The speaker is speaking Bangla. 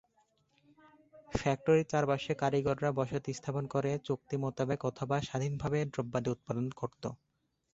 ফ্যাক্টরির চারপাশে কারিগররা বসতি স্থাপন করে চুক্তি মোতাবেক অথবা স্বাধীনভাবে দ্রব্যাদি উৎপাদন করত।